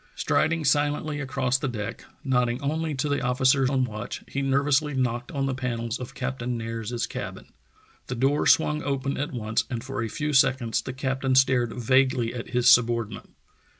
Striding silently across the deck, nodding only to the officer on watch, he nervously knocked on the panels of Captain Nares's cabin. The door swung open at once and for a few seconds the captain stared vaguely at his subordinate.